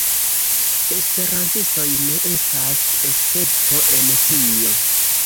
Esperantistoj ne estas escepto en tio.